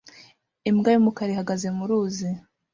Imbwa y'umukara ihagaze mu ruzi